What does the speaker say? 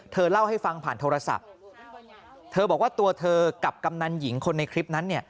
เธอเล่าให้ฟังผ่านโทรศัพท์เธอบอกว่าตัวเธอกับกำนันหญิงคนในคลิปนั้นเนี่ย